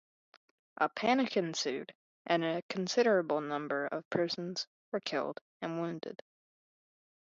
A panic ensued, and a considerable number of persons were killed and wounded.